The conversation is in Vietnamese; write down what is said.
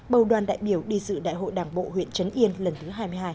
bầu đoàn đại biểu đi dự đại hội đảng bộ huyện trấn yên lần thứ hai mươi hai